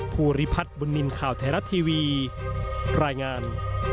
ภูริพัฒน์บุญนินทร์ข่าวไทยรัฐทีวีรายงาน